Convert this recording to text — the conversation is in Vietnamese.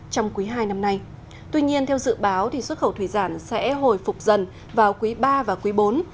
trong quý hai năm nay tuy nhiên theo dự báo xuất khẩu thủy sản sẽ hồi phục dần vào quý ba và quý bốn